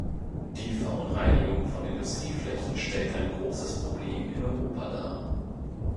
Die Verunreinigung von Industrieflächen stellt ein großes Problem in Europa dar.